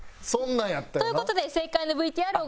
という事で正解のＶＴＲをご覧ください。